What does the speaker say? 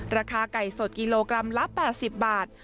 ราคาไก่สดกิโลกรัมละ๘๐บาท